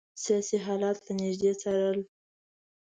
سیاسي حالات له نیژدې څارل.